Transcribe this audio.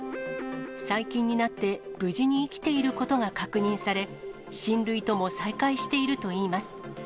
最近になって無事に生きていることが確認され、親類とも再会しているといいます。